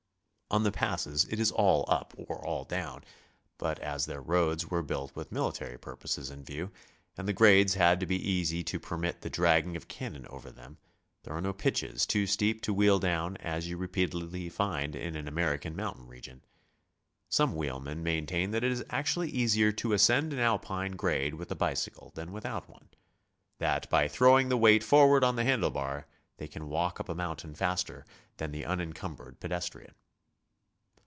On the passes it is all up or all down, but as their roads were built with military purposes in view, and the grades had to be easy to permit the dragging of cannon over them, there are no pitches too steep to wheel down, as you repeat edly find in an American mountain region. Some wheelmen maintain that it is actually easier to ascend an Alpine grade with a bicycle than without one, — that by throwing the weight forward on the handle bar, they can walk up a moun tain faster than the unincumbered pedestrian.